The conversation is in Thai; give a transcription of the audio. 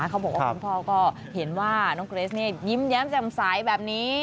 เป็นการศึกษาเขาบอกว่าคุณพ่อก็เห็นว่าน้องเกรสนี่ยิ้มแย้มจำใสแบบนี้